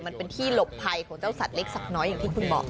มันเป็นที่หลบภัยของเจ้าสัตว์เล็กสัตว์น้อยอย่างที่คุณบอก